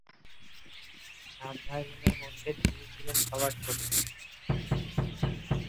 সাত ভাই-বোনের মধ্যে তিনি ছিলেন সবার ছোট।